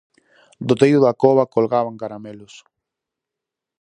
Do teito da cova colgaban caramelos.